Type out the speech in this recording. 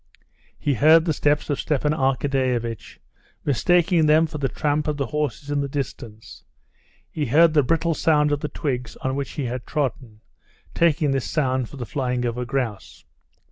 He heard the steps of Stepan Arkadyevitch, mistaking them for the tramp of the horses in the distance; he heard the brittle sound of the twigs on which he had trodden, taking this sound for the flying of a grouse.